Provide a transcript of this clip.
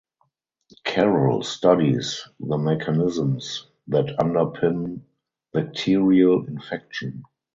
Carrol studies the mechanisms that underpin bacterial infection.